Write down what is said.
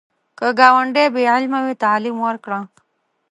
که ګاونډی بې علمه وي، تعلیم ورکړه